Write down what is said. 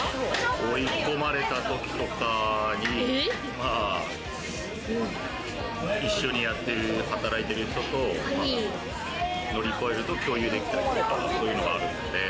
追い込まれたときとかには一緒に働いてる人と乗り越えると共有できたりとか、そういうのがあるので。